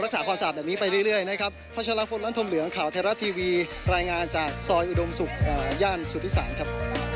รักษาความสาบแบบนี้ไปเรื่อยนะครับ